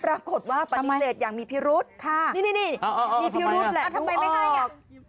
ปรากฏว่าปฏิเสธอย่างมีพิรุธนี่มีพิรุธแหละรู้ออก